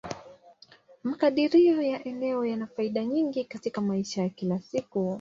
Makadirio ya eneo yana faida nyingi katika maisha ya kila siku.